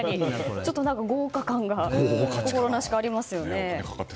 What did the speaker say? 豪華感が心なしかありますよね。